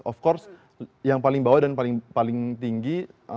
of course yang paling bawah dan paling tinggi